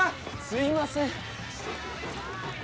すいません。